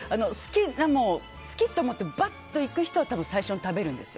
好き！って思ってバッと行く人は最初に食べるんですよ。